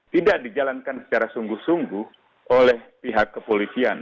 tidak dijalankan secara sungguh sungguh oleh pihak kepolisian